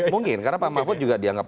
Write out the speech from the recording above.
mungkin karena pak mahfud juga dianggap